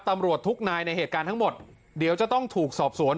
ตำรวจทุกนายในเหตุการณ์ทั้งหมดเดี๋ยวจะต้องถูกสอบสวน